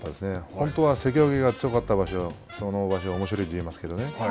本当は関脇が強かった相撲の場所はおもしろいと言いますけどね。